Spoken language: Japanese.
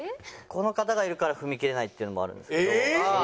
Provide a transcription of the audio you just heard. この方がいるから踏み切れないっていうのもあるんですけど。